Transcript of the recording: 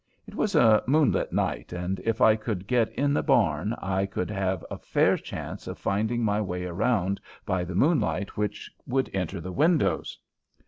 It was a moonlight night, and if I could get in the barn I would have a fair chance of finding my way around by the moonlight which would enter the windows.